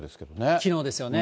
きのうですよね。